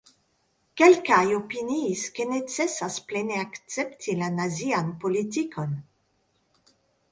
Kelkaj opiniis, ke necesas plene akcepti la nazian politikon.